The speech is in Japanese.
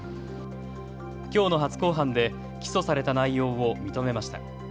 きょうの初公判で起訴された内容を認めました。